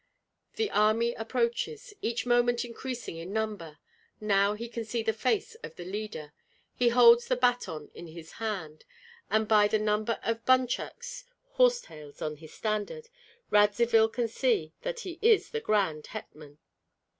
The army approaches, each moment increasing in number; now he can see the face of the leader. He holds the baton in his hand; and by the number of bunchuks (horse tails on his standard). Radzivill can see that he is the grand hetman.